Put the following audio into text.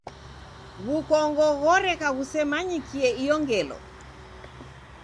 W'ukongo ghoreka ghuseremanyikie iyo ngelo.